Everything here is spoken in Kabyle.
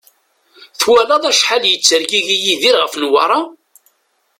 Twalaḍ acḥal i yettergigi Yidir ɣef Newwara?